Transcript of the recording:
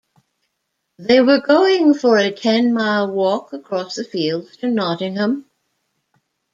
They were going for a ten-mile walk across the fields to Nottingham.